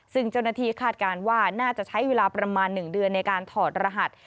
ซึ่งเจ้าหน้าที่คาดการณ์ว่าน่าจะใช้เวลาประมาณ๑เดือนในการถอดรหัส